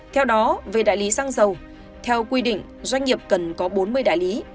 theo đó về đại lý xăng dầu theo quy định doanh nghiệp cần có bốn mươi đại lý